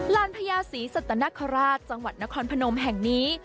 ลานพญาศรีสัตนคราชจังหวัดนครพนมแห่งนี้